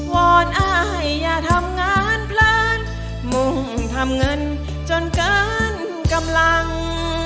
อนอายอย่าทำงานเพลินมุ่งทำเงินจนเกินกำลัง